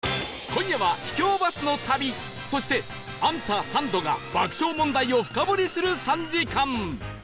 今夜は秘境バスの旅そしてアンタサンドが爆笑問題を深掘りする３時間